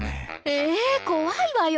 え怖いわよ。